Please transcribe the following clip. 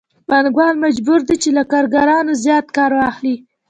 پانګوال مجبور دی چې له کارګرانو زیات کار واخلي